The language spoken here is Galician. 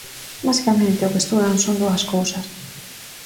Basicamente o que estudan son dúas cousas.